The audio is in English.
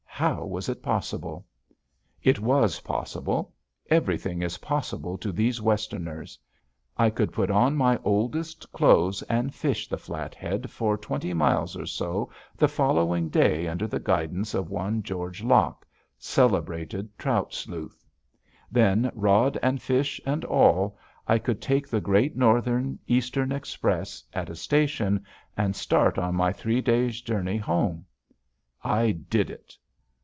How was it possible? It was possible. Everything is possible to those Westerners. I could put on my oldest clothes and fish the Flathead for twenty miles or so the following day under the guidance of one George Locke, celebrated trout sleuth. Then, rod and fish and all, I could take the Great Northern Eastern Express at a station and start on my three days' journey home. I did it.